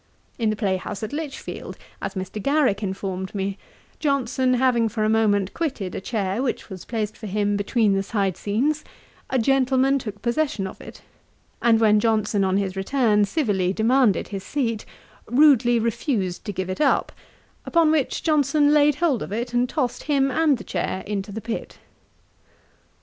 In the playhouse at Lichfield, as Mr. Garrick informed me, Johnson having for a moment quitted a chair which was placed for him between the side scenes, a gentleman took possession of it, and when Johnson on his return civilly demanded his seat, rudely refused to give it up; upon which Johnson laid hold of it, and tossed him and the chair into the pit.